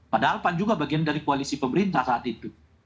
padahal pan juga bagian dari koalisi pemerintah saat itu